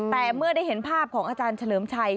แต่เมื่อได้เห็นภาพของอาจารย์เฉลิมชัย